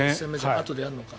あとでやるのか。